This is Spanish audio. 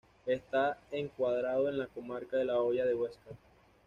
Está encuadrado en la comarca de la Hoya de Huesca.